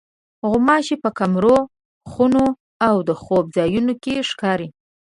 غوماشې په کمرو، خونو او د خوب ځایونو کې ښکاري.